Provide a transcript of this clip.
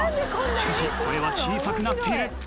しかし声は小さくなっている